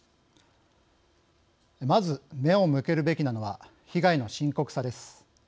まず目を向けるべきなのは被害の深刻さです。